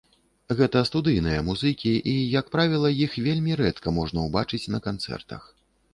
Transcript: Гэта студыйныя музыкі і, як правіла, іх вельмі рэдка можна ўбачыць на канцэртах.